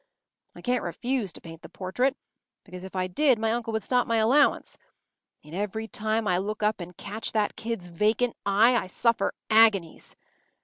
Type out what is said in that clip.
I can’t refuse to paint the portrait because if I did my uncle would stop my allowance; yet every time I look up and catch that kid’s vacant eye, I suffer agonies.